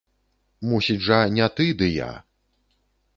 Мусіць жа, не ты, ды я!